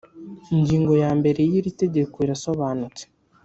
ingingo ya mbere y iri tegeko irasobanutse